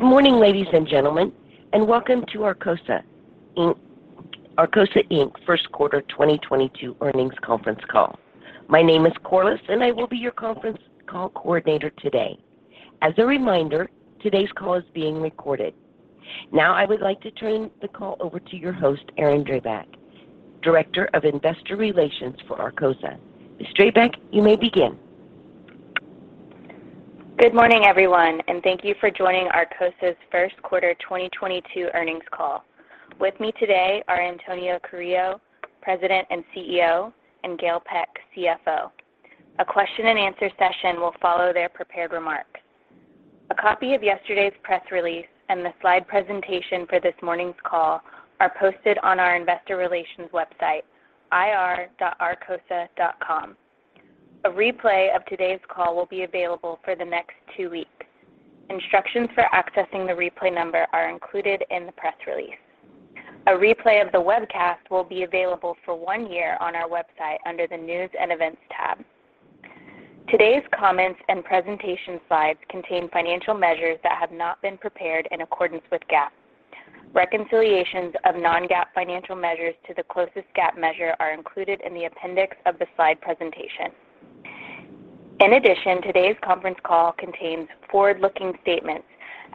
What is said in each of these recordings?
Good morning, ladies and gentlemen, and welcome to Arcosa, Inc. first quarter 2022 earnings conference call. My name is Corliss, and I will be your conference call coordinator today. As a reminder, today's call is being recorded. Now I would like to turn the call over to your host, Erin Drabek, Director of Investor Relations for Arcosa. Ms. Drabek, you may begin. Good morning, everyone, and thank you for joining Arcosa's first quarter 2022 earnings call. With me today are Antonio Carrillo, President and CEO, and Gail Peck, CFO. A question-and-answer session will follow their prepared remarks. A copy of yesterday's press release and the slide presentation for this morning's call are posted on our investor relations website, ir.arcosa.com. A replay of today's call will be available for the next two weeks. Instructions for accessing the replay number are included in the press release. A replay of the webcast will be available for one year on our website under the News and Events tab. Today's comments and presentation slides contain financial measures that have not been prepared in accordance with GAAP. Reconciliations of non-GAAP financial measures to the closest GAAP measure are included in the appendix of the slide presentation. In addition, today's conference call contains forward-looking statements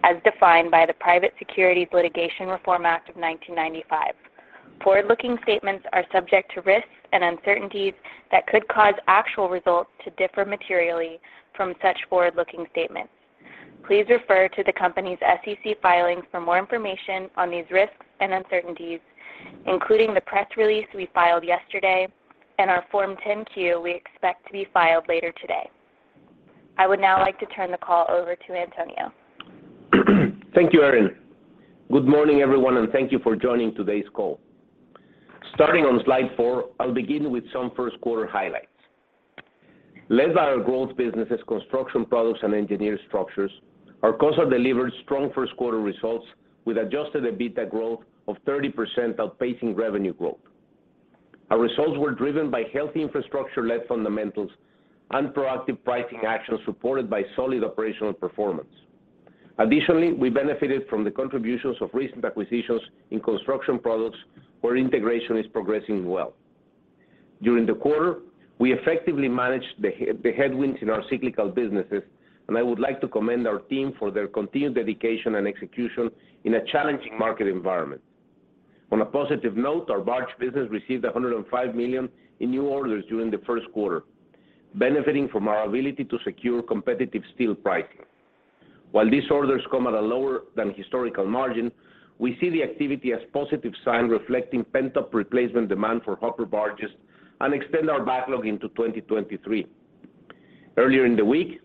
as defined by the Private Securities Litigation Reform Act of 1995. Forward-looking statements are subject to risks and uncertainties that could cause actual results to differ materially from such forward-looking statements. Please refer to the company's SEC filings for more information on these risks and uncertainties, including the press release we filed yesterday and our Form 10-Q we expect to be filed later today. I would now like to turn the call over to Antonio. Thank you, Erin. Good morning, everyone, and thank you for joining today's call. Starting on Slide four, I'll begin with some first quarter highlights. Led by our growth businesses, Construction Products and Engineered Structures, Arcosa delivered strong first quarter results with adjusted EBITDA growth of 30% outpacing revenue growth. Our results were driven by healthy infrastructure-led fundamentals and proactive pricing actions supported by solid operational performance. Additionally, we benefited from the contributions of recent acquisitions in Construction Products where integration is progressing well. During the quarter, we effectively managed the headwinds in our cyclical businesses, and I would like to commend our team for their continued dedication and execution in a challenging market environment. On a positive note, our barge business received $105 million in new orders during the first quarter, benefiting from our ability to secure competitive steel pricing. While these orders come at a lower-than-historical margin, we see the activity as positive sign reflecting pent-up replacement demand for hopper barges and extend our backlog into 2023. Earlier in the week,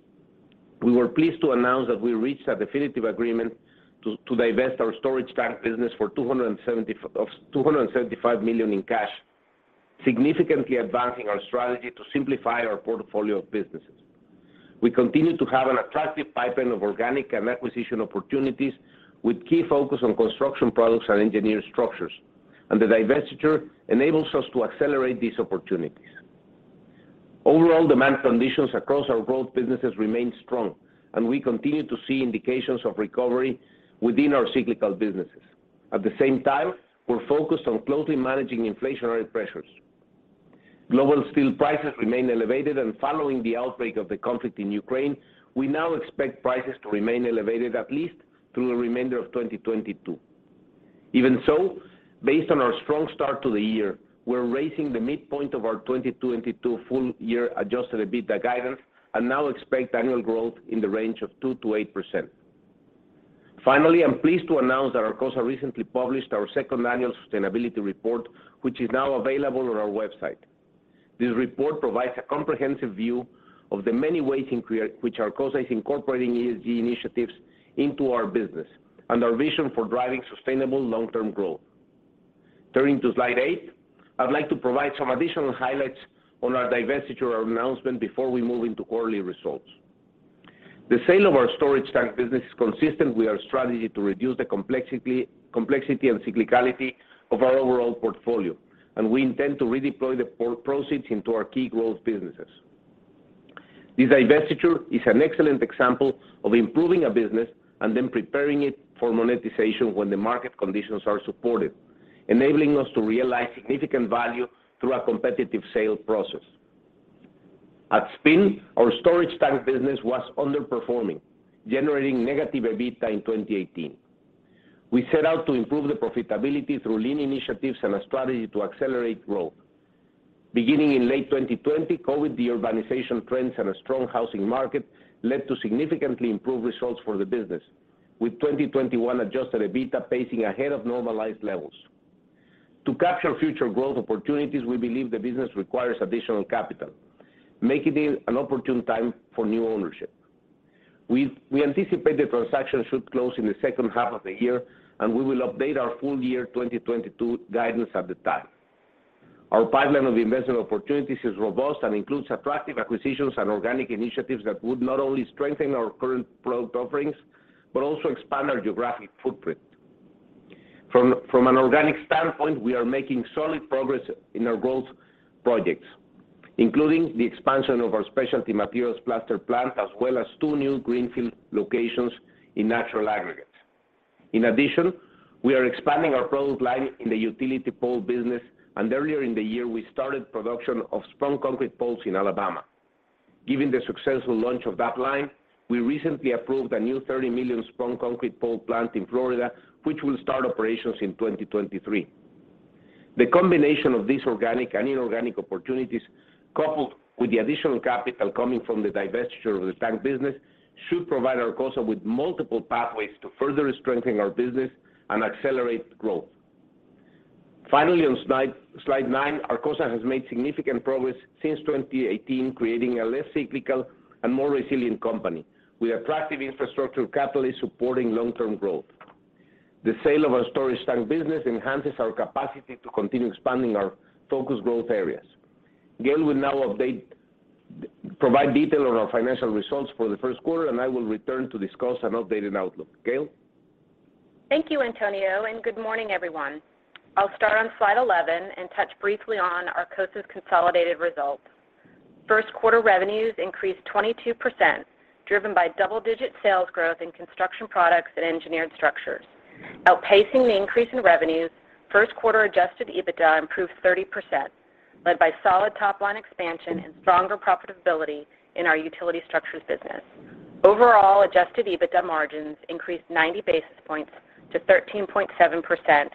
we were pleased to announce that we reached a definitive agreement to divest our storage tank business for $275 million in cash, significantly advancing our strategy to simplify our portfolio of businesses. We continue to have an attractive pipeline of organic and acquisition opportunities with key focus on Construction Products and Engineered Structures, and the divestiture enables us to accelerate these opportunities. Overall demand conditions across our growth businesses remain strong, and we continue to see indications of recovery within our cyclical businesses. At the same time, we're focused on closely managing inflationary pressures. Global steel prices remain elevated, and following the outbreak of the conflict in Ukraine, we now expect prices to remain elevated at least through the remainder of 2022. Even so, based on our strong start to the year, we're raising the midpoint of our 2022 full year adjusted EBITDA guidance and now expect annual growth in the range of 2%-8%. Finally, I'm pleased to announce that Arcosa recently published our second annual sustainability report, which is now available on our website. This report provides a comprehensive view of the many ways in which Arcosa is incorporating ESG initiatives into our business and our vision for driving sustainable long-term growth. Turning to Slide eight, I'd like to provide some additional highlights on our divestiture announcement before we move into quarterly results. The sale of our storage tank business is consistent with our strategy to reduce the complexity and cyclicality of our overall portfolio, and we intend to redeploy the proceeds into our key growth businesses. This divestiture is an excellent example of improving a business and then preparing it for monetization when the market conditions are supportive, enabling us to realize significant value through a competitive sales process. At spin, our storage tank business was underperforming, generating negative EBITDA in 2018. We set out to improve the profitability through Lean initiatives and a strategy to accelerate growth. Beginning in late 2020, COVID deurbanization trends and a strong housing market led to significantly improved results for the business, with 2021 adjusted EBITDA pacing ahead of normalized levels. To capture future growth opportunities, we believe the business requires additional capital, making it an opportune time for new ownership. We anticipate the transaction should close in the second half of the year, and we will update our full year 2022 guidance at the time. Our pipeline of investment opportunities is robust and includes attractive acquisitions and organic initiatives that would not only strengthen our current product offerings but also expand our geographic footprint. From an organic standpoint, we are making solid progress in our growth projects, including the expansion of our specialty materials plaster plant, as well as two new greenfield locations in natural aggregates. In addition, we are expanding our product line in the utility pole business, and earlier in the year, we started production of spun concrete poles in Alabama. Given the successful launch of that line, we recently approved a new $30 million spun concrete pole plant in Florida, which will start operations in 2023. The combination of these organic and inorganic opportunities, coupled with the additional capital coming from the divestiture of the tank business, should provide Arcosa with multiple pathways to further strengthen our business and accelerate growth. Finally, on Slide nine, Arcosa has made significant progress since 2018, creating a less cyclical and more resilient company with attractive infrastructure capital supporting long-term growth. The sale of our storage tank business enhances our capacity to continue expanding our focused growth areas. Gail will now provide detail on our financial results for the first quarter, and I will return to discuss an updated outlook. Gail? Thank you, Antonio, and good morning, everyone. I'll start on Slide 11 and touch briefly on Arcosa's consolidated results. First quarter revenues increased 22%, driven by double-digit sales growth in Construction Products and Engineered Structures. Outpacing the increase in revenues, first quarter adjusted EBITDA improved 30%, led by solid top line expansion and stronger profitability in our utility structures business. Overall, adjusted EBITDA margins increased 90 basis points to 13.7%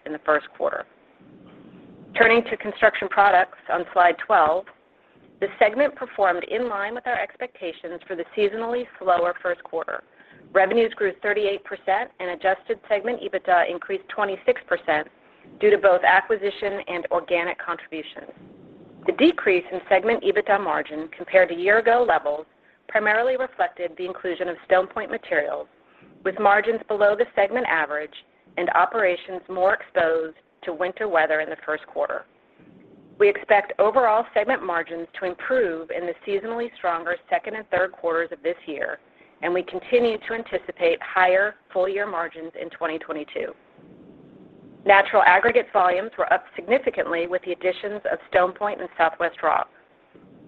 in the first quarter. Turning to Construction Products on Slide 12, the segment performed in line with our expectations for the seasonally slower first quarter. Revenues grew 38% and adjusted segment EBITDA increased 26% due to both acquisition and organic contributions. The decrease in segment EBITDA margin compared to year-ago levels primarily reflected the inclusion of StonePoint Materials with margins below the segment average and operations more exposed to winter weather in the first quarter. We expect overall segment margins to improve in the seasonally stronger second and third quarters of this year, and we continue to anticipate higher full year margins in 2022. Natural aggregates volumes were up significantly with the additions of StonePoint and Southwest Rock.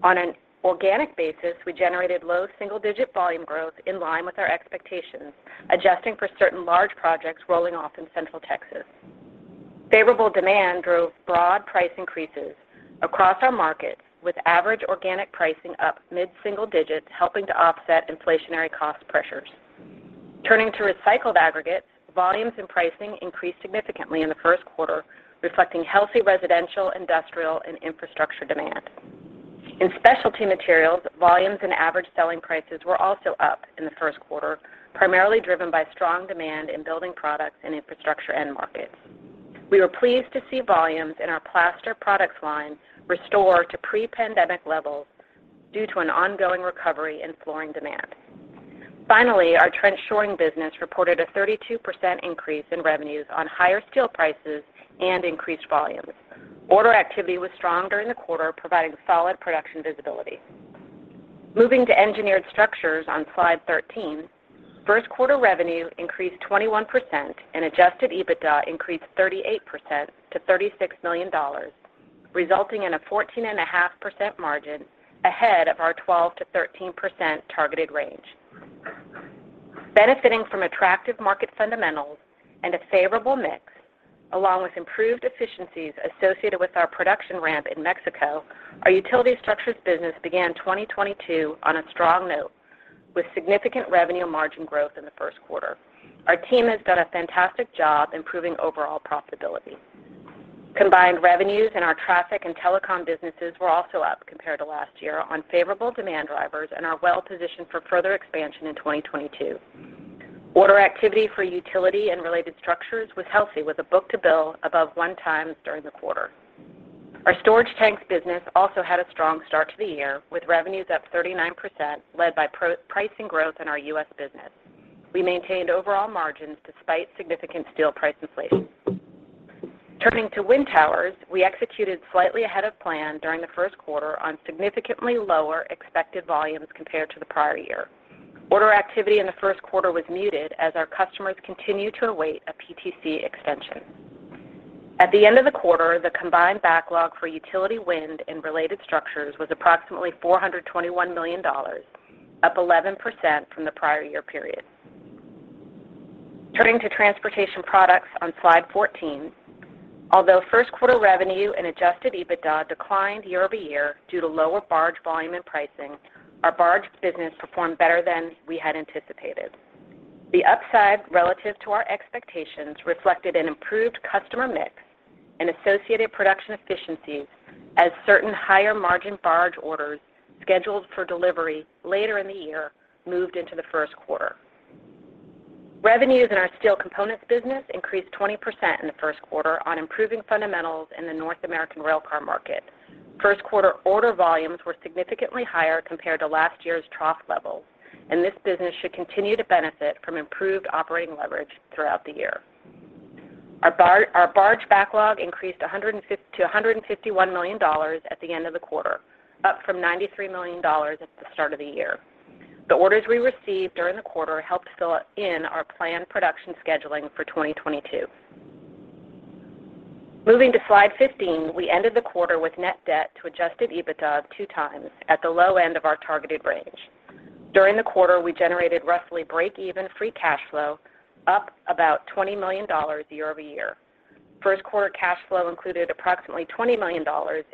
On an organic basis, we generated low single-digit volume growth in line with our expectations, adjusting for certain large projects rolling off in Central Texas. Favorable demand drove broad price increases across our markets, with average organic pricing up mid-single digits, helping to offset inflationary cost pressures. Turning to recycled aggregates, volumes and pricing increased significantly in the first quarter, reflecting healthy residential, industrial, and infrastructure demand. In specialty materials, volumes and average selling prices were also up in the first quarter, primarily driven by strong demand in building products and infrastructure end markets. We were pleased to see volumes in our plaster products line restore to pre-pandemic levels due to an ongoing recovery in flooring demand. Finally, our trench shoring business reported a 32% increase in revenues on higher steel prices and increased volumes. Order activity was strong during the quarter, providing solid production visibility. Moving to Engineered Structures on Slide 13, first quarter revenue increased 21% and adjusted EBITDA increased 38% to $36 million, resulting in a 14.5% margin ahead of our 12%-13% targeted range. Benefiting from attractive market fundamentals and a favorable mix, along with improved efficiencies associated with our production ramp in Mexico, our utility structures business began 2022 on a strong note with significant revenue margin growth in the first quarter. Our team has done a fantastic job improving overall profitability. Combined revenues in our traffic and telecom businesses were also up compared to last year on favorable demand drivers and are well positioned for further expansion in 2022. Order activity for utility and related structures was healthy, with a book-to-bill above 1x during the quarter. Our storage tanks business also had a strong start to the year, with revenues up 39%, led by pricing growth in our U.S. business. We maintained overall margins despite significant steel price inflation. Turning to wind towers, we executed slightly ahead of plan during the first quarter on significantly lower expected volumes compared to the prior year. Order activity in the first quarter was muted as our customers continue to await a PTC extension. At the end of the quarter, the combined backlog for utility wind and related structures was approximately $421 million, up 11% from the prior year period. Turning to Transportation Products on Slide 14, although first quarter revenue and adjusted EBITDA declined year-over-year due to lower barge volume and pricing, our barge business performed better than we had anticipated. The upside relative to our expectations reflected an improved customer mix and associated production efficiencies as certain higher margin barge orders scheduled for delivery later in the year moved into the first quarter. Revenues in our steel components business increased 20% in the first quarter on improving fundamentals in the North American railcar market. First quarter order volumes were significantly higher compared to last year's trough levels, and this business should continue to benefit from improved operating leverage throughout the year. Our barge backlog increased $150 million-$151 million at the end of the quarter, up from $93 million at the start of the year. The orders we received during the quarter helped fill in our planned production scheduling for 2022. Moving to Slide 15, we ended the quarter with net debt to adjusted EBITDA 2x at the low end of our targeted range. During the quarter, we generated roughly break-even free cash flow, up about $20 million year-over-year. First quarter cash flow included approximately $20 million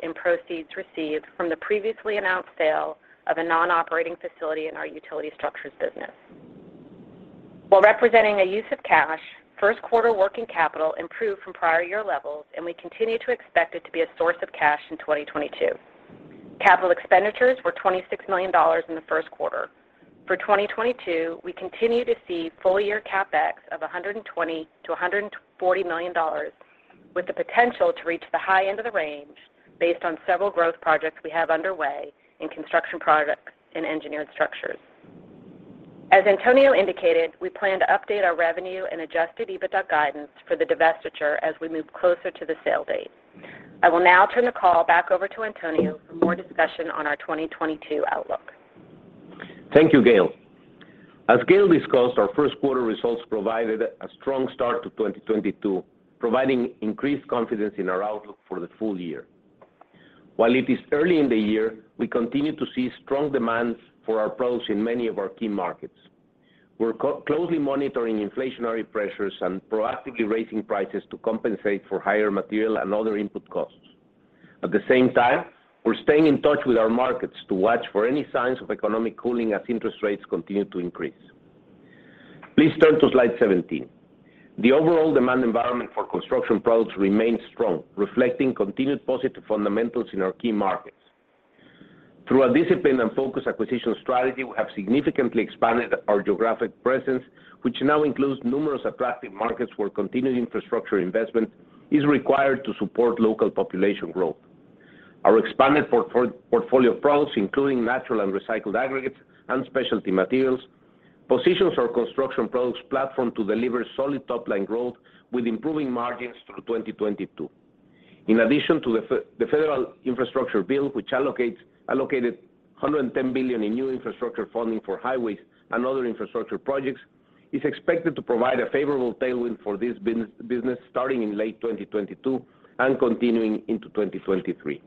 in proceeds received from the previously announced sale of a non-operating facility in our utility structures business. While representing a use of cash, first quarter working capital improved from prior year levels, and we continue to expect it to be a source of cash in 2022. Capital expenditures were $26 million in the first quarter. For 2022, we continue to see full year CapEx of $100 million-$140 million with the potential to reach the high end of the range based on several growth projects we have underway in construction projects in Engineered Structures. As Antonio indicated, we plan to update our revenue and adjusted EBITDA guidance for the divestiture as we move closer to the sale date. I will now turn the call back over to Antonio for more discussion on our 2022 outlook. Thank you, Gail. As Gail discussed, our first quarter results provided a strong start to 2022, providing increased confidence in our outlook for the full year. While it is early in the year, we continue to see strong demands for our products in many of our key markets. We're closely monitoring inflationary pressures and proactively raising prices to compensate for higher material and other input costs. At the same time, we're staying in touch with our markets to watch for any signs of economic cooling as interest rates continue to increase. Please turn to Slide 17. The overall demand environment for Construction Products remains strong, reflecting continued positive fundamentals in our key markets. Through our disciplined and focused acquisition strategy, we have significantly expanded our geographic presence, which now includes numerous attractive markets where continued infrastructure investment is required to support local population growth. Our expanded portfolio of products, including natural and recycled aggregates and specialty materials, positions our Construction Products platform to deliver solid top-line growth with improving margins through 2022. In addition to the federal infrastructure bill, which allocated $110 billion in new infrastructure funding for highways and other infrastructure projects, is expected to provide a favorable tailwind for this business starting in late 2022 and continuing into 2023.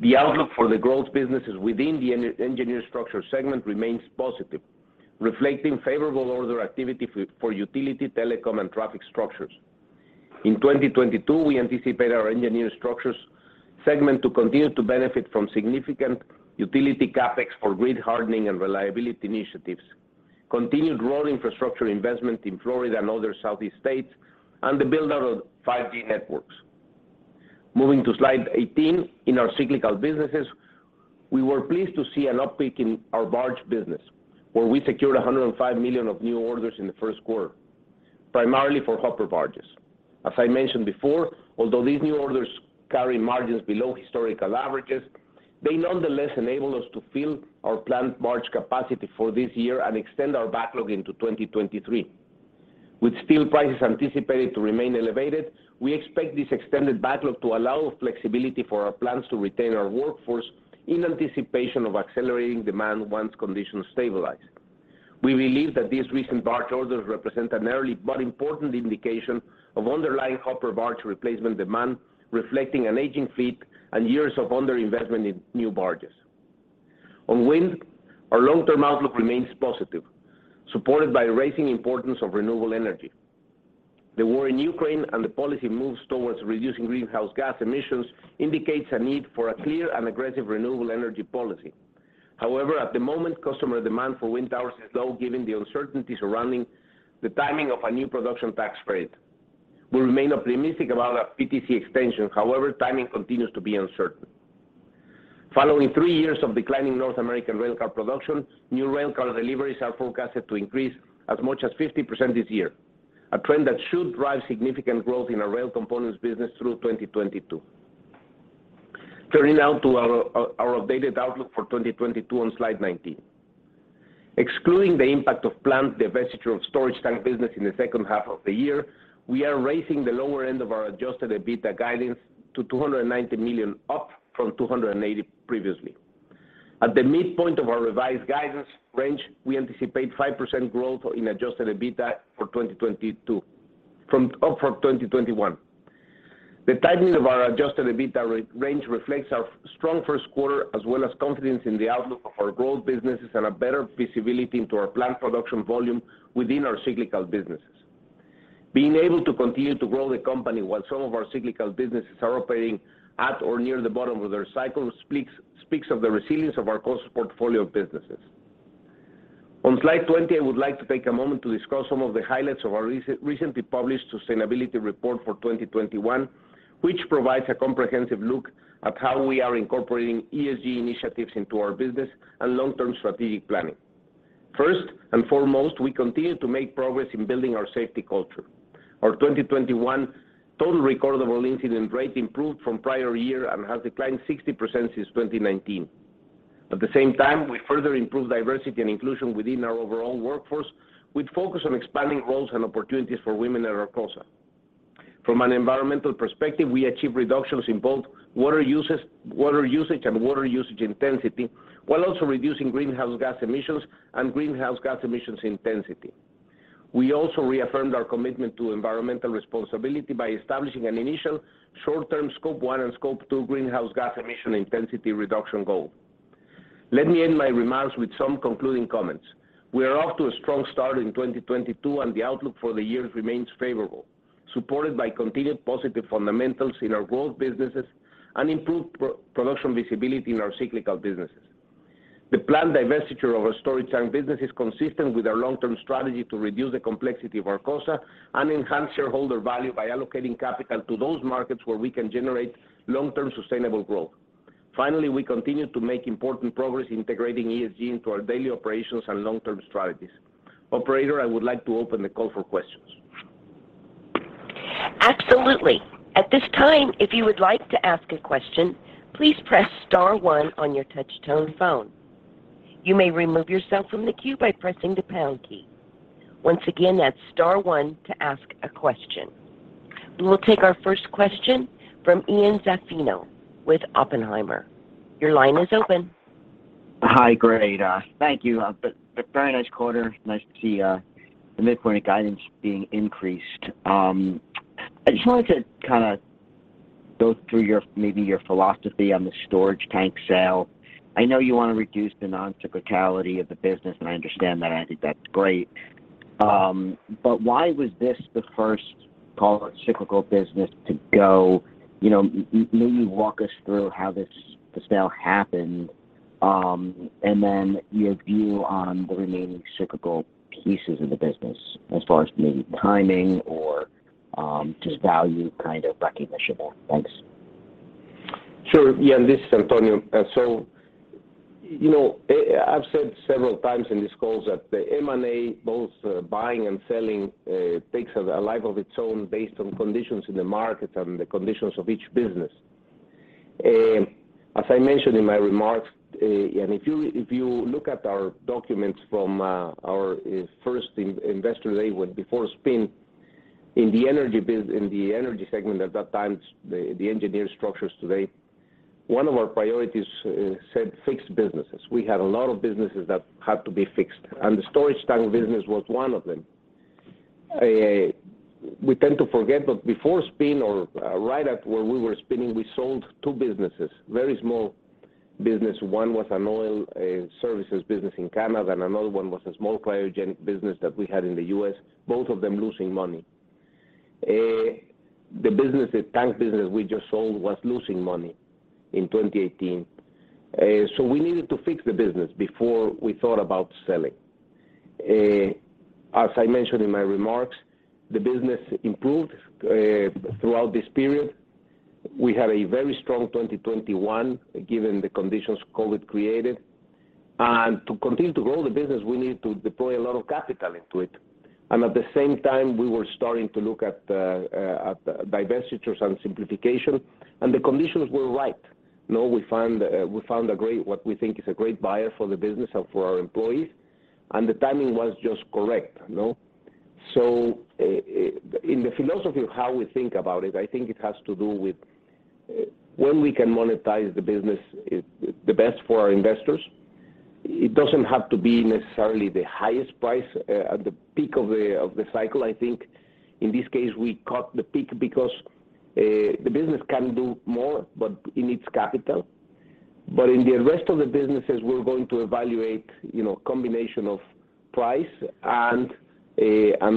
The outlook for the growth businesses within the Engineered Structures segment remains positive, reflecting favorable order activity for utility, telecom, and traffic structures. In 2022, we anticipate our Engineered Structures segment to continue to benefit from significant utility CapEx for grid hardening and reliability initiatives, continued road infrastructure investment in Florida and other Southeast states, and the build-out of 5G networks. Moving to Slide 18, in our cyclical businesses, we were pleased to see an uptick in our barge business, where we secured $105 million of new orders in the first quarter, primarily for hopper barges. As I mentioned before, although these new orders carry margins below historical averages, they nonetheless enable us to fill our planned barge capacity for this year and extend our backlog into 2023. With steel prices anticipated to remain elevated, we expect this extended backlog to allow flexibility for our plants to retain our workforce in anticipation of accelerating demand once conditions stabilize. We believe that these recent barge orders represent an early but important indication of underlying hopper barge replacement demand, reflecting an aging fleet and years of underinvestment in new barges. On wind, our long-term outlook remains positive, supported by the rising importance of renewable energy. The war in Ukraine and the policy moves towards reducing greenhouse gas emissions indicates a need for a clear and aggressive renewable energy policy. However, at the moment, customer demand for wind towers is low given the uncertainty surrounding the timing of a new production tax credit. We remain optimistic about a PTC extension. However, timing continues to be uncertain. Following three years of declining North American railcar production, new railcar deliveries are forecasted to increase as much as 50% this year, a trend that should drive significant growth in our rail components business through 2022. Turning now to our updated outlook for 2022 on Slide 19. Excluding the impact of planned divestiture of storage tank business in the second half of the year, we are raising the lower end of our adjusted EBITDA guidance to $290 million, up from $280 million previously. At the midpoint of our revised guidance range, we anticipate 5% growth in adjusted EBITDA for 2022 up from 2021. The tightening of our adjusted EBITDA range reflects our strong first quarter, as well as confidence in the outlook of our growth businesses and a better visibility into our plant production volume within our cyclical businesses. Being able to continue to grow the company while some of our cyclical businesses are operating at or near the bottom of their cycle speaks of the resilience of our diverse portfolio of businesses. On Slide 20, I would like to take a moment to discuss some of the highlights of our recently published sustainability report for 2021, which provides a comprehensive look at how we are incorporating ESG initiatives into our business and long-term strategic planning. First and foremost, we continue to make progress in building our safety culture. Our 2021 total recordable incident rate improved from prior year and has declined 60% since 2019. At the same time, we further improved diversity and inclusion within our overall workforce with focus on expanding roles and opportunities for women at Arcosa. From an environmental perspective, we achieved reductions in both water usage and water usage intensity, while also reducing greenhouse gas emissions and greenhouse gas emissions intensity. We also reaffirmed our commitment to environmental responsibility by establishing an initial short-term Scope 1 and Scope 2 greenhouse gas emission intensity reduction goal. Let me end my remarks with some concluding comments. We are off to a strong start in 2022, and the outlook for the year remains favorable, supported by continued positive fundamentals in our growth businesses and improved production visibility in our cyclical businesses. The planned divestiture of our storage tank business is consistent with our long-term strategy to reduce the complexity of Arcosa and enhance shareholder value by allocating capital to those markets where we can generate long-term sustainable growth. Finally, we continue to make important progress integrating ESG into our daily operations and long-term strategies. Operator, I would like to open the call for questions. Absolutely. At this time, if you would like to ask a question, please press star one on your touch-tone phone. You may remove yourself from the queue by pressing the pound key. Once again, that's star one to ask a question. We'll take our first question from Ian Zaffino with Oppenheimer. Your line is open. Hi. Great. Thank you. A very nice quarter. Nice to see the mid-quarter guidance being increased. I just wanted to kind of go through your, maybe your philosophy on the storage tank sale. I know you wanna reduce the non-cyclicality of the business, and I understand that, and I think that's great. Why was this the first call it cyclical business to go? You know, maybe walk us through how this sale happened, and then your view on the remaining cyclical pieces of the business as far as maybe timing or just value kind of recognition. Thanks. Sure. Ian, this is Antonio. You know, I've said several times in these calls that the M&A, both buying and selling, takes a life of its own based on conditions in the market and the conditions of each business. As I mentioned in my remarks, and if you look at our documents from our first Investor Day before spin in the energy segment at that time, the Engineered Structures today, one of our priorities said fixed businesses. We had a lot of businesses that had to be fixed, and the storage tank business was one of them. We tend to forget, but before spin or right at where we were spinning, we sold two businesses, very small business. One was an oil services business in Canada, and another one was a small cryogenic business that we had in the U.S., both of them losing money. The business, the tank business we just sold was losing money in 2018. So we needed to fix the business before we thought about selling. As I mentioned in my remarks, the business improved throughout this period. We had a very strong 2021, given the conditions COVID created. To continue to grow the business, we need to deploy a lot of capital into it. At the same time, we were starting to look at divestitures and simplification, and the conditions were right. You know, we found a great, what we think is a great buyer for the business and for our employees, and the timing was just correct, you know. In the philosophy of how we think about it, I think it has to do with when we can monetize the business it's the best for our investors. It doesn't have to be necessarily the highest price at the peak of the cycle. I think in this case, we caught the peak because the business can do more, but it needs capital. In the rest of the businesses, we're going to evaluate, you know, a combination of price and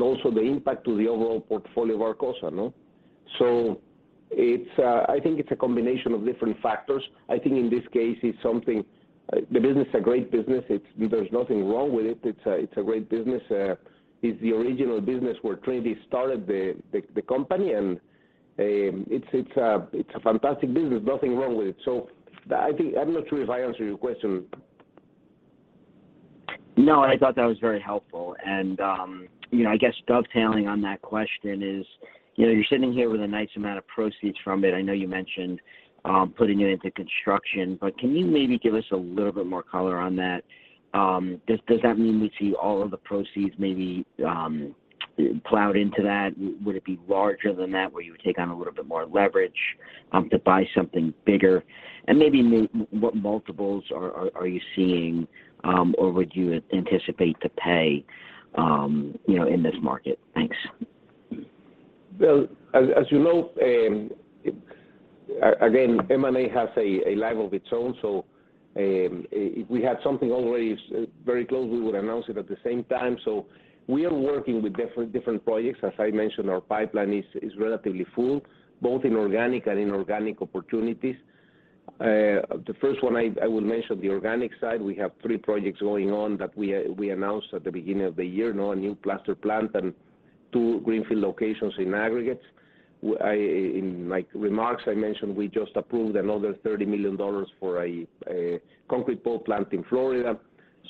also the impact to the overall portfolio of Arcosa, no? It's, I think it's a combination of different factors. I think in this case, it's something. The business is a great business. It's. There's nothing wrong with it. It's a great business. It's the original business where Trinity started the company, and it's a fantastic business. Nothing wrong with it. I think. I'm not sure if I answered your question. No, I thought that was very helpful. I guess dovetailing on that question is, you know, you're sitting here with a nice amount of proceeds from it. I know you mentioned putting it into construction, but can you maybe give us a little bit more color on that? Does that mean we see all of the proceeds maybe plowed into that? Would it be larger than that, where you would take on a little bit more leverage to buy something bigger? Maybe what multiples are you seeing or would you anticipate to pay, you know, in this market? Thanks. Well, as you know, again, M&A has a life of its own. If we had something already very close, we would announce it at the same time. We are working with different projects. As I mentioned, our pipeline is relatively full, both in organic and inorganic opportunities. The first one I will mention the organic side. We have three projects going on that we announced at the beginning of the year. One new plaster plant and two greenfield locations in aggregates. In my remarks, I mentioned we just approved another $30 million for a concrete pole plant in Florida.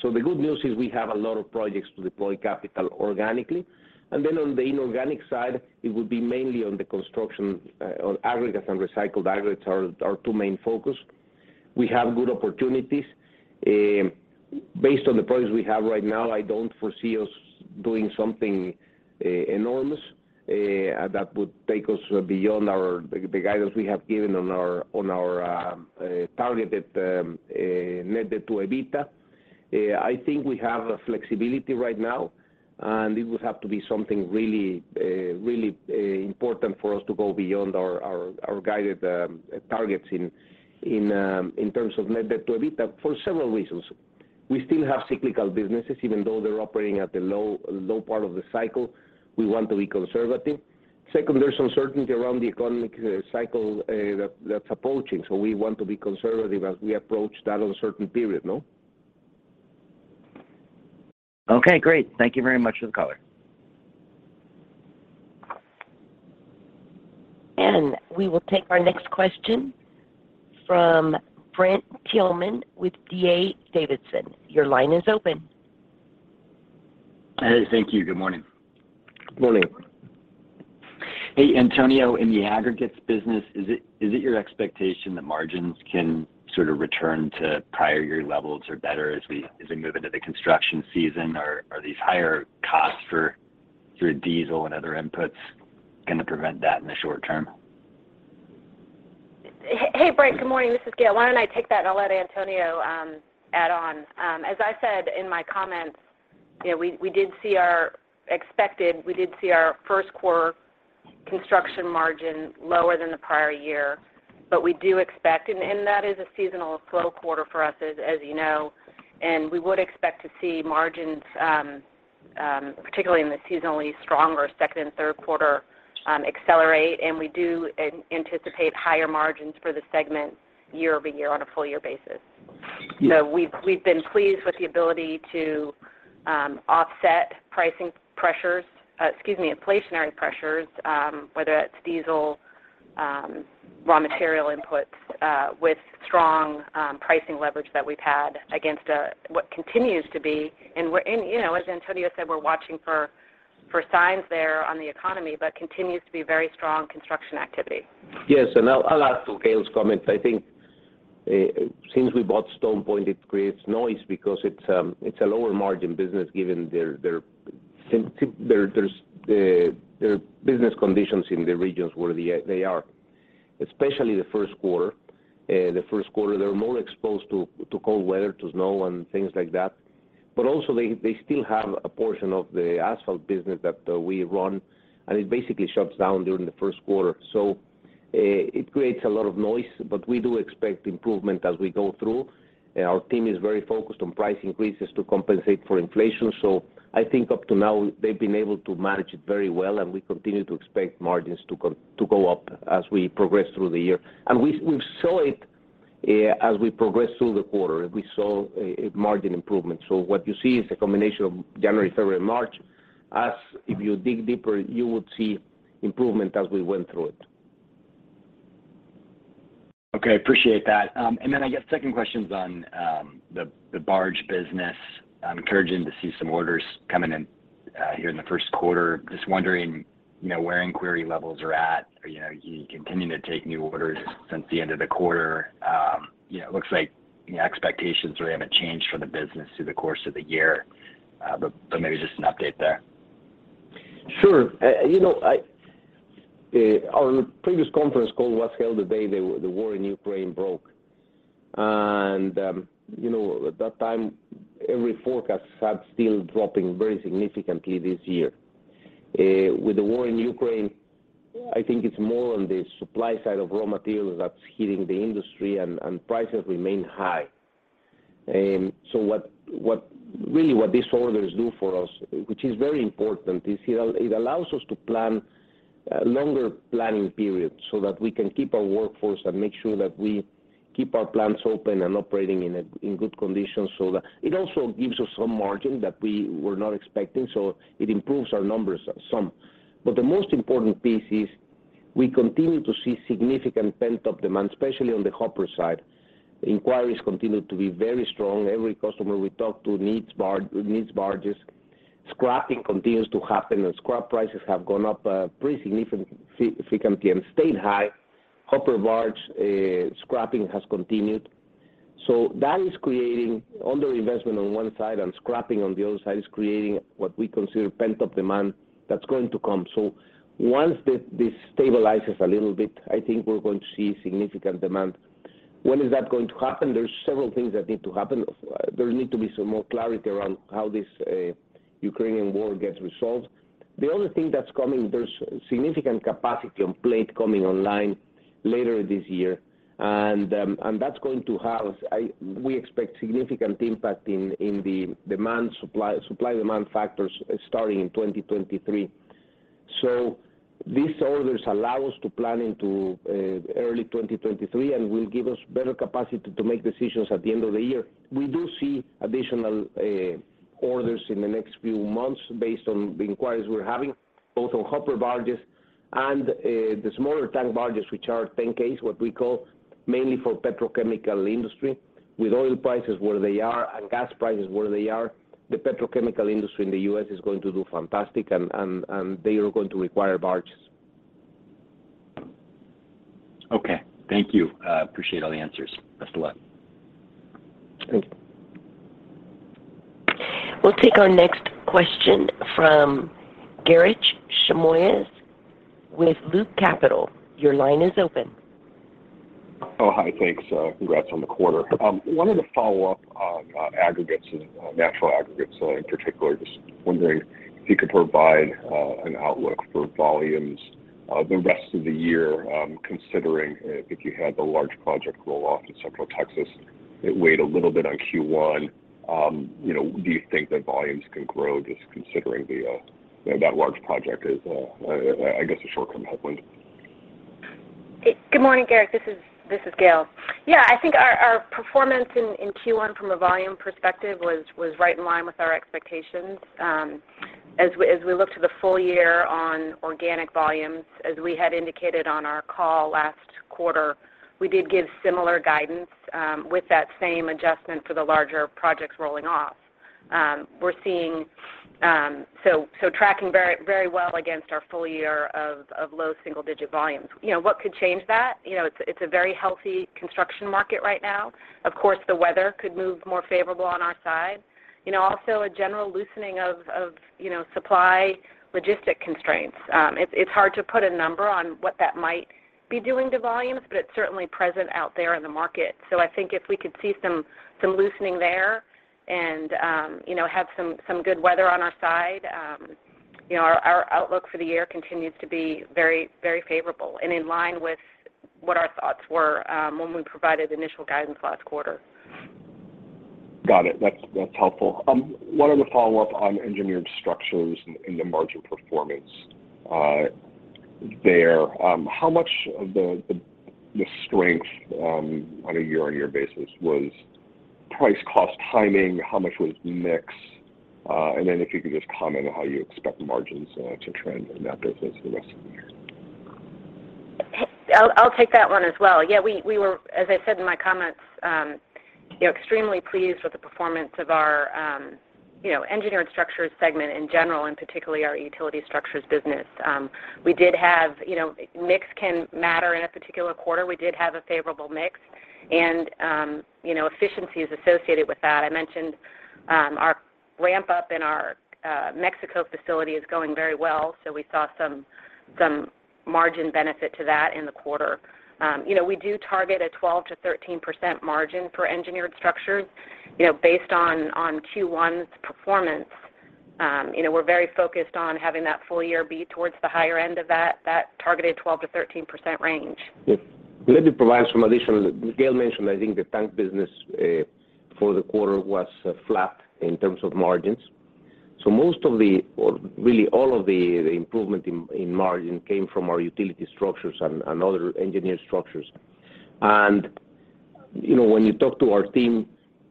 The good news is we have a lot of projects to deploy capital organically. Then on the inorganic side, it will be mainly on the construction, on aggregates and recycled aggregates are two main focus. We have good opportunities. Based on the products we have right now, I don't foresee us doing something enormous that would take us beyond the guidance we have given on our targeted net debt to EBITDA. I think we have the flexibility right now, and it would have to be something really important for us to go beyond our guided targets in terms of net debt to EBITDA for several reasons. We still have cyclical businesses, even though they're operating at the low part of the cycle, we want to be conservative. Second, there's uncertainty around the economic cycle that's approaching, so we want to be conservative as we approach that uncertain period. No? Okay, great. Thank you very much for the color. We will take our next question from Brent Thielman with D.A. Davidson. Your line is open. Hey. Thank you. Good morning. Morning. Hey, Antonio, in the aggregates business, is it your expectation that margins can sort of return to prior year levels or better as we move into the construction season? Or are these higher costs for diesel and other inputs gonna prevent that in the short term? Hey, Brent. Good morning. This is Gail. Why don't I take that and I'll let Antonio add on. As I said in my comments, you know, we did see our first quarter construction margin lower than the prior year, but we do expect, and that is a seasonal slow quarter for us as you know, and we would expect to see margins particularly in the seasonally stronger second and third quarter accelerate, and we do anticipate higher margins for the segment year-over-year on a full year basis. Yeah. We've been pleased with the ability to offset inflationary pressures, whether that's diesel, raw material inputs, with strong pricing leverage that we've had against what continues to be, and we're in, you know, as Antonio said, we're watching for signs there on the economy, but continues to be very strong construction activity. Yes. I'll add to Gail's comments. I think since we bought StonePoint, it creates noise because it's a lower margin business given their business conditions in the regions where they are, especially the first quarter. The first quarter, they're more exposed to cold weather, to snow and things like that. Also they still have a portion of the asphalt business that we run, and it basically shuts down during the first quarter. It creates a lot of noise, but we do expect improvement as we go through. Our team is very focused on price increases to compensate for inflation. I think up to now, they've been able to manage it very well, and we continue to expect margins to go up as we progress through the year. We saw it as we progressed through the quarter. We saw a margin improvement. What you see is a combination of January, February, and March. If you dig deeper, you would see improvement as we went through it. Okay. Appreciate that. I guess second question's on the barge business. I'm encouraged to see some orders coming in here in the first quarter. Just wondering, you know, where inquiry levels are at. You know, are you continuing to take new orders since the end of the quarter? You know, it looks like your expectations really haven't changed for the business through the course of the year. Maybe just an update there. Sure. You know, our previous conference call was held the day the war in Ukraine broke. You know, at that time, every forecast had steel dropping very significantly this year. With the war in Ukraine, I think it's more on the supply side of raw materials that's hitting the industry, and prices remain high. What really these orders do for us, which is very important, is it allows us to plan a longer planning period so that we can keep our workforce and make sure that we keep our plants open and operating in good condition. It also gives us some margin that we were not expecting, so it improves our numbers some. The most important piece is we continue to see significant pent-up demand, especially on the hopper side. Inquiries continue to be very strong. Every customer we talk to needs barges. Scrapping continues to happen, and scrap prices have gone up, pretty significantly and stayed high. Hopper barge scrapping has continued. That is creating under investment on one side and scrapping on the other side is creating what we consider pent-up demand that's going to come. Once this stabilizes a little bit, I think we're going to see significant demand. When is that going to happen? There's several things that need to happen. There need to be some more clarity around how this Ukrainian war gets resolved. The other thing that's coming, there's significant capacity on plate coming online later this year, and that's going to have, we expect significant impact in the supply-demand factors starting in 2023. These orders allow us to plan into early 2023 and will give us better capacity to make decisions at the end of the year. We do see additional orders in the next few months based on the inquiries we're having, both on hopper barges and the smaller tank barges, which are 10Ks, what we call mainly for petrochemical industry. With oil prices where they are and gas prices where they are, the petrochemical industry in the U.S. is going to do fantastic and they are going to require barges. Okay. Thank you. Appreciate all the answers. Best of luck. Thank you. We'll take our next question from Garik Shmois with Loop Capital. Your line is open. Oh, hi. Thanks. Congrats on the quarter. Wanted to follow up on aggregates and natural aggregates in particular. Just wondering if you could provide an outlook for volumes the rest of the year, considering if you had the large project roll-off in Central Texas, it weighed a little bit on Q1. You know, do you think that volumes can grow just considering the, you know, that large project is, I guess, a short-term headwind? Good morning, Garik. This is Gail. Yeah, I think our performance in Q1 from a volume perspective was right in line with our expectations. As we look to the full year on organic volumes, as we had indicated on our call last quarter, we did give similar guidance with that same adjustment for the larger projects rolling off. We're seeing. So tracking very well against our full year of low single-digit volumes. You know, what could change that? You know, it's a very healthy construction market right now. Of course, the weather could move more favorable on our side. You know, also a general loosening of supply logistic constraints. It's hard to put a number on what that might be doing to volumes, but it's certainly present out there in the market. I think if we could see some loosening there and, you know, have some good weather on our side, you know, our outlook for the year continues to be very, very favorable and in line with what our thoughts were, when we provided initial guidance last quarter. Got it. That's helpful. Wanted to follow up on Engineered Structures and the margin performance there. How much of the strength on a year-on-year basis was price, cost, timing? How much was mix? And then if you could just comment on how you expect margins to trend in that business for the rest of the year. I'll take that one as well. Yeah, we were, as I said in my comments, you know, extremely pleased with the performance of our, you know, Engineered Structures segment in general, and particularly our utility structures business. We did have, you know, mix can matter in a particular quarter. We did have a favorable mix and, you know, efficiencies associated with that. I mentioned, our ramp-up in our Mexico facility is going very well, so we saw some margin benefit to that in the quarter. You know, we do target a 12%-13% margin for Engineered Structures. You know, based on Q1's performance, you know, we're very focused on having that full year be towards the higher end of that targeted 12%-13% range. Let me provide some additional. Gail mentioned, I think the tank business for the quarter was flat in terms of margins. Most of the, or really all of the improvement in margin came from our utility structures and other Engineered Structures. You know, when you talk to our team,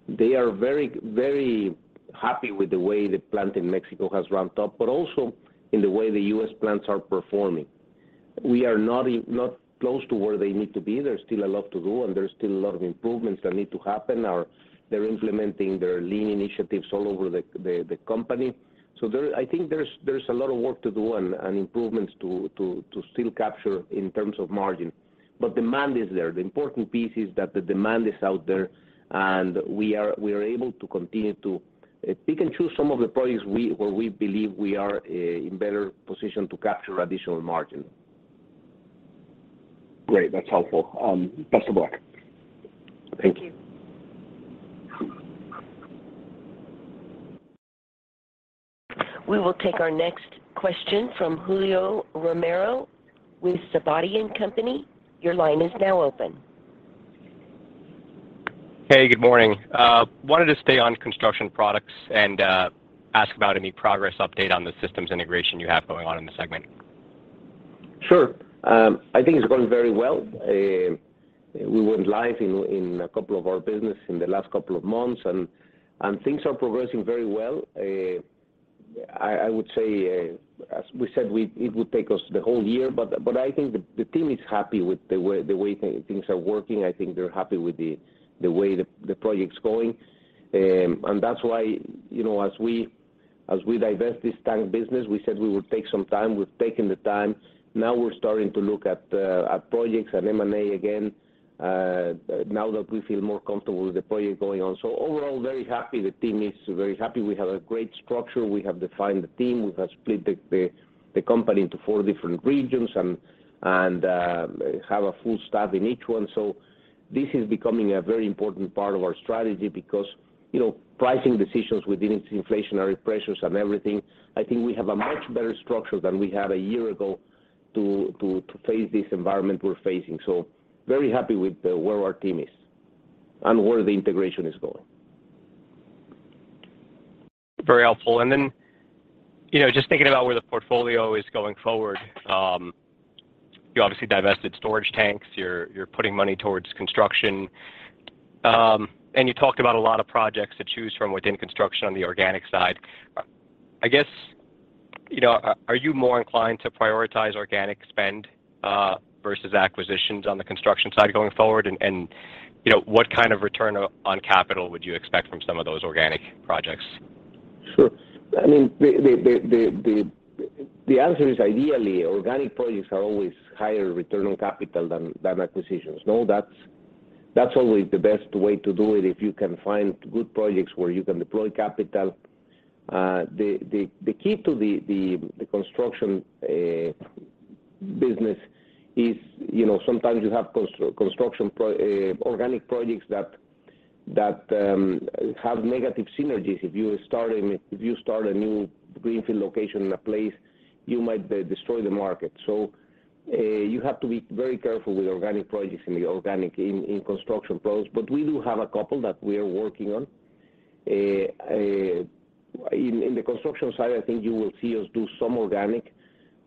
they are very, very happy with the way the plant in Mexico has ramped up, but also in the way the U.S. plants are performing. We are not close to where they need to be. There's still a lot to do, and there's still a lot of improvements that need to happen. They're implementing their Lean initiatives all over the company. There, I think there's a lot of work to do and improvements to still capture in terms of margin. Demand is there. The important piece is that the demand is out there, and we are able to continue to pick and choose some of the projects where we believe we are in better position to capture additional margin. Great. That's helpful. Best of luck. Thank you. We will take our next question from Julio Romero with Sidoti & Company. Your line is now open. Hey, good morning. Wanted to stay on Construction Products and ask about any progress update on the systems integration you have going on in the segment. I think it's going very well. We went live in a couple of our business in the last couple of months, and things are progressing very well. I would say, as we said, it would take us the whole year, but I think the team is happy with the way things are working. I think they're happy with the way the project's going. And that's why, you know, as we divest this tank business, we said we would take some time. We've taken the time. Now we're starting to look at projects, at M&A again, now that we feel more comfortable with the project going on. Overall, very happy. The team is very happy. We have a great structure. We have defined the team. We have split the company into four different regions and have a full staff in each one. This is becoming a very important part of our strategy because, you know, pricing decisions with these inflationary pressures and everything, I think we have a much better structure than we had a year ago to face this environment we're facing. Very happy with where our team is and where the integration is going. Very helpful. You know, just thinking about where the portfolio is going forward, you obviously divested storage tanks, you're putting money towards construction, and you talked about a lot of projects to choose from within construction on the organic side. I guess, you know, are you more inclined to prioritize organic spend versus acquisitions on the construction side going forward? You know, what kind of return on capital would you expect from some of those organic projects? Sure. I mean, the answer is ideally, organic projects are always higher return on capital than acquisitions. No, that's always the best way to do it if you can find good projects where you can deploy capital. The key to the construction business is, you know, sometimes you have construction organic projects that have negative synergies. If you start a new greenfield location in a place, you might destroy the market. You have to be very careful with organic projects in the organic in construction pros. We do have a couple that we are working on. In the construction side, I think you will see us do some organic,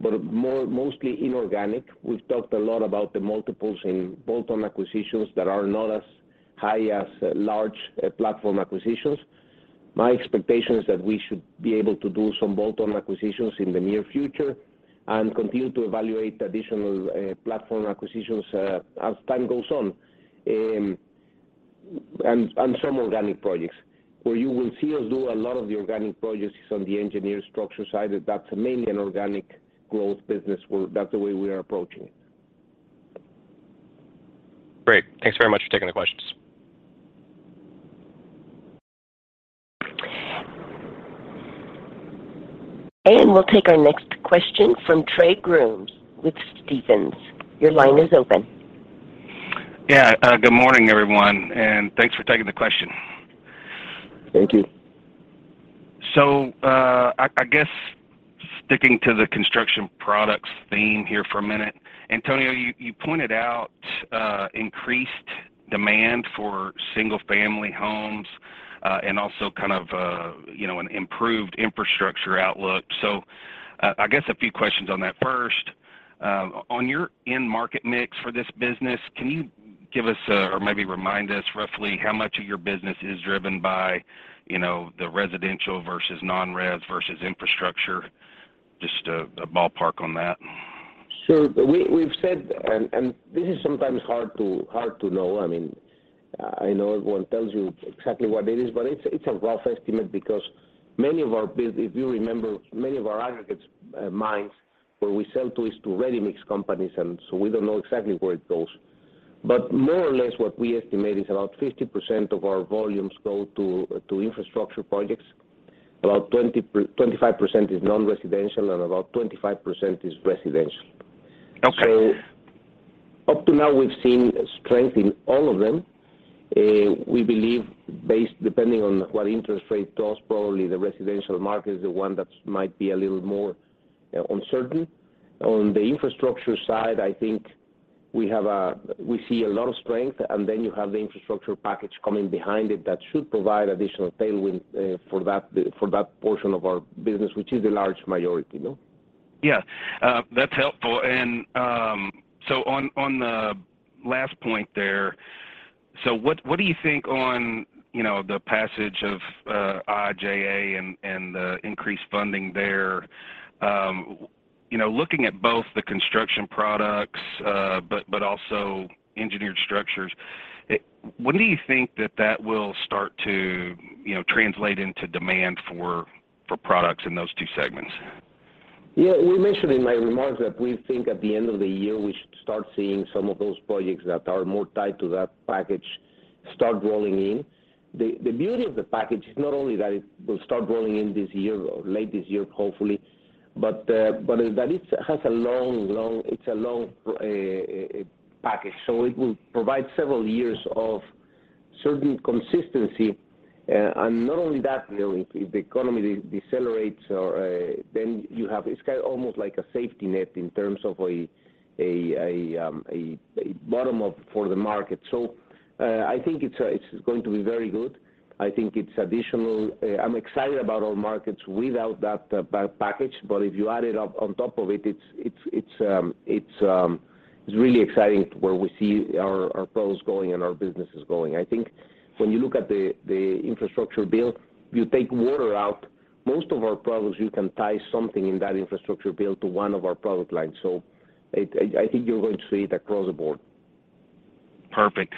but mostly inorganic. We've talked a lot about the multiples in bolt-on acquisitions that are not as high as large platform acquisitions. My expectation is that we should be able to do some bolt-on acquisitions in the near future and continue to evaluate additional platform acquisitions as time goes on and some organic projects. Where you will see us do a lot of the organic projects is on the engineered structure side. That's mainly an organic growth business, where that's the way we are approaching it. Great. Thanks very much for taking the questions. We'll take our next question from Trey Grooms with Stephens. Your line is open. Yeah, good morning, everyone, and thanks for taking the question. Thank you. I guess sticking to the Construction Products theme here for a minute. Antonio, you pointed out increased demand for single-family homes and also kind of you know an improved infrastructure outlook. I guess a few questions on that. First, on your end market mix for this business, can you give us or maybe remind us roughly how much of your business is driven by you know the residential versus non-res versus infrastructure? Just a ballpark on that. Sure. We've said, and this is sometimes hard to know. I mean, I know everyone tells you exactly what it is, but it's a rough estimate because many of our aggregates mines where we sell to is to ready-mix companies, and so we don't know exactly where it goes. More or less, what we estimate is about 50% of our volumes go to infrastructure projects. About 25% is non-residential, and about 25% is residential. Okay. Up to now, we've seen strength in all of them. We believe based, depending on what interest rate does, probably the residential market is the one that might be a little more uncertain. On the infrastructure side, I think we see a lot of strength, and then you have the infrastructure package coming behind it that should provide additional tailwind for that portion of our business, which is the large majority, no? Yeah. That's helpful. On the last point there, what do you think on the passage of IIJA and the increased funding there, you know, looking at both the Construction Products, but also Engineered Structures, when do you think that will start to, you know, translate into demand for products in those two segments? Yeah. We mentioned in my remarks that we think at the end of the year, we should start seeing some of those projects that are more tied to that package start rolling in. The beauty of the package is not only that it will start rolling in this year or late this year, hopefully, but that it's a long package. It will provide several years of certain consistency. Not only that, you know, if the economy decelerates, then you have this kind of almost like a safety net in terms of a bottom for the market. I think it's going to be very good. I think it's additional. I'm excited about our markets without that package, but if you add it on top of it's really exciting where we see our pros going and our businesses going. I think when you look at the infrastructure bill, you take water out, most of our products, you can tie something in that infrastructure bill to one of our product lines. I think you're going to see it across the board. Perfect.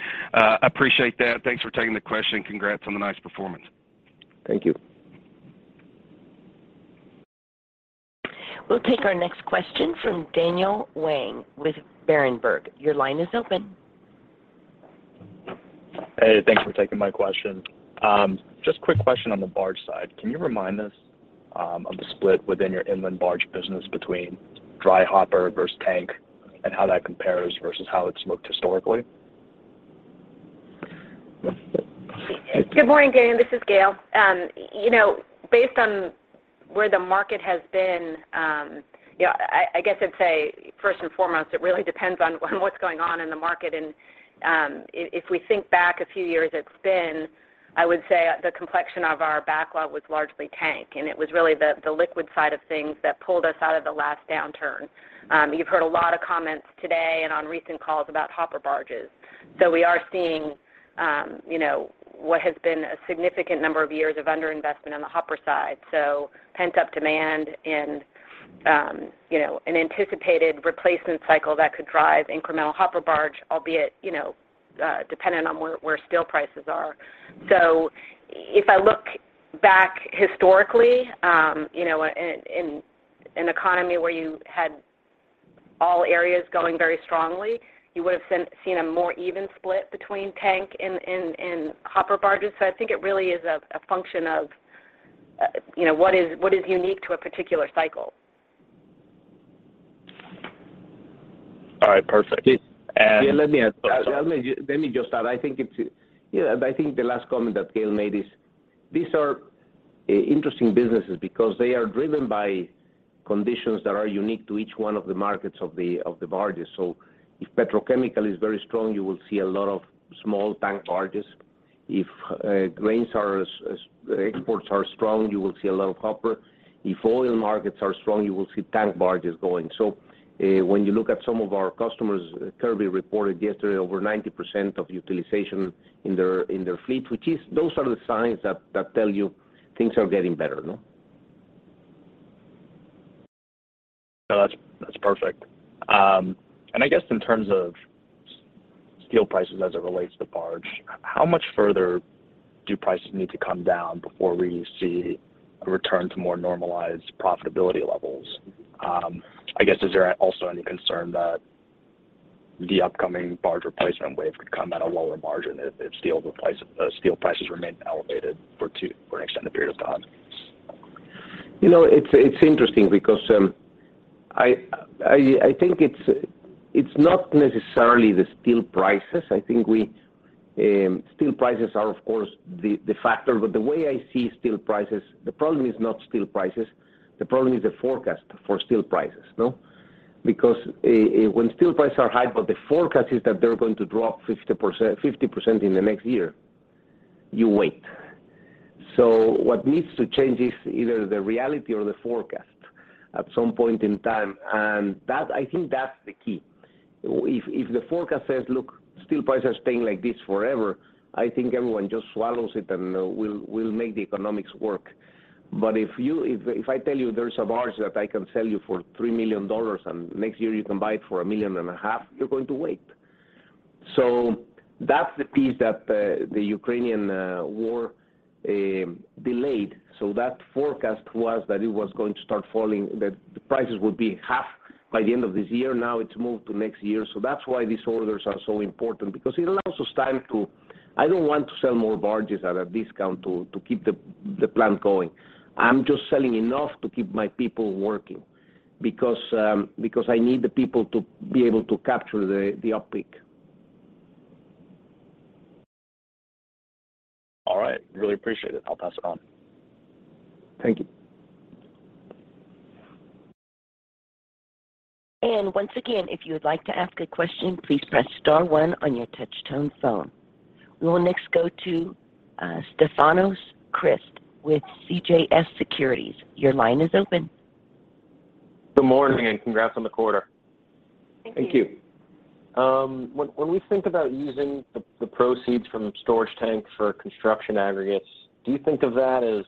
Appreciate that. Thanks for taking the question. Congrats on the nice performance. Thank you. We'll take our next question from Daniel Wang with Berenberg. Your line is open. Hey, thanks for taking my question. Just quick question on the barge side. Can you remind us of the split within your inland barge business between dry hopper versus tank and how that compares versus how it's looked historically? Thank you. Good morning, Dan. This is Gail. You know, based on where the market has been, you know, I guess I'd say first and foremost, it really depends on what's going on in the market. If we think back a few years, it's been, I would say the complexion of our backlog was largely tank, and it was really the liquid side of things that pulled us out of the last downturn. You've heard a lot of comments today and on recent calls about hopper barges. We are seeing, you know, what has been a significant number of years of underinvestment on the hopper side. Pent-up demand and, you know, an anticipated replacement cycle that could drive incremental hopper barge, albeit, you know, dependent on where steel prices are. If I look back historically, you know, in an economy where you had all areas going very strongly, you would've seen a more even split between tank and hopper barges. I think it really is a function of, you know, what is unique to a particular cycle. All right. Perfect. Yeah, let me just add. I think the last comment that Gail made is these are interesting businesses because they are driven by conditions that are unique to each one of the markets of the barges. If petrochemical is very strong, you will see a lot of small tank barges. If grain exports are strong, you will see a lot of hopper. If oil markets are strong, you will see tank barges going. When you look at some of our customers, Kirby reported yesterday over 90% utilization in their fleet. Those are the signs that tell you things are getting better, no? No, that's perfect. In terms of steel prices as it relates to barges, how much further do prices need to come down before we see a return to more normalized profitability levels? Is there also any concern that the upcoming barge replacement wave could come at a lower margin if steel prices remain elevated for an extended period of time? You know, it's interesting because I think it's not necessarily the steel prices. Steel prices are of course the factor, but the way I see steel prices, the problem is not steel prices, the problem is the forecast for steel prices, no? Because when steel prices are high, but the forecast is that they're going to drop 50% in the next year, you wait. What needs to change is either the reality or the forecast at some point in time. That, I think that's the key. If the forecast says, "Look, steel prices are staying like this forever," I think everyone just swallows it, and we'll make the economics work. If I tell you there's a barge that I can sell you for $3 million, and next year you can buy it for $1.5 million, you're going to wait. That's the piece that the Ukrainian war delayed. That forecast was that it was going to start falling, the prices would be half by the end of this year. Now it's moved to next year. That's why these orders are so important, because it allows us time. I don't want to sell more barges at a discount to keep the plant going. I'm just selling enough to keep my people working because I need the people to be able to capture the up peak. All right. Really appreciate it. I'll pass it on. Thank you. Once again, if you would like to ask a question, please press star one on your touch-tone phone. We will next go to Stefanos Crist with CJS Securities. Your line is open. Good morning, and congrats on the quarter. Thank you. Thank you. When we think about using the proceeds from StonePoint for construction aggregates, do you think of that as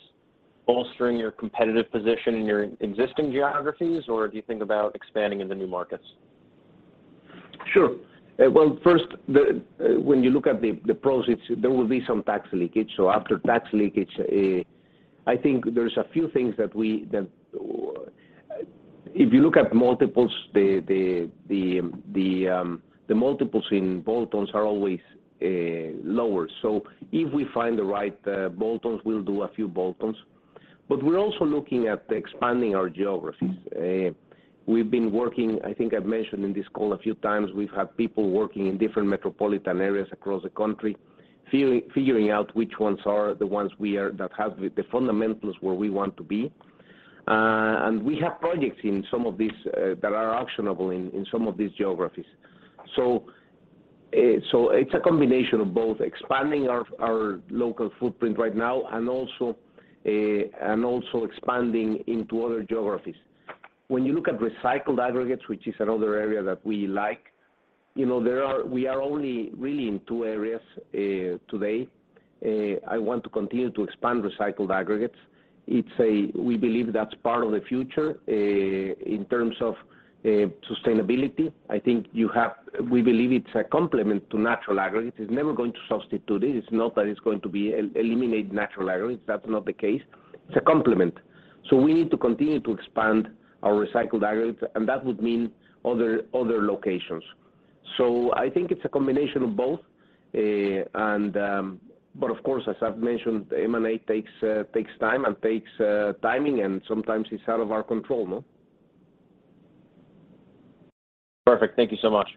bolstering your competitive position in your existing geographies, or do you think about expanding into new markets? Sure. Well, first, when you look at the proceeds, there will be some tax leakage. After tax leakage, I think there's a few things that if you look at multiples, the multiples in bolt-ons are always lower. If we find the right bolt-ons, we'll do a few bolt-ons. We're also looking at expanding our geographies. We've been working. I think I've mentioned in this call a few times, we've had people working in different metropolitan areas across the country, figuring out which ones are the ones that have the fundamentals where we want to be. We have projects in some of these that are actionable in some of these geographies. It's a combination of both expanding our local footprint right now and also expanding into other geographies. When you look at recycled aggregates, which is another area that we like, you know, we are only really in two areas today. I want to continue to expand recycled aggregates. We believe that's part of the future. In terms of sustainability, we believe it's a complement to natural aggregates. It's never going to substitute it. It's not that it's going to be eliminate natural aggregates. That's not the case. It's a complement. We need to continue to expand our recycled aggregates, and that would mean other locations. I think it's a combination of both. Of course, as I've mentioned, the M&A takes time and timing, and sometimes it's out of our control, no? Perfect. Thank you so much.